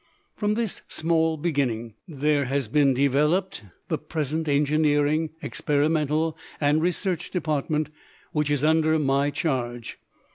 From this small beginning there has been developed the present engineering, experimental and research department which is under my charge.